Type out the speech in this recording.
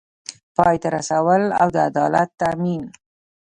پای ته رسول او د عدالت تامین